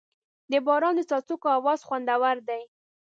د باران د څاڅکو اواز خوندور دی.